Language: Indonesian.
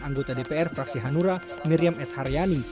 anggota dpr fraksi hanura miriam s haryani